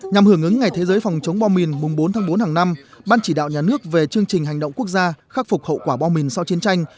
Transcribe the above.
nhằm hưởng ứng ngày thế giới phòng chống bom mìn mùng bốn tháng bốn hàng năm ban chỉ đạo nhà nước về chương trình hành động quốc gia khắc phục hậu quả bom mìn sau chiến tranh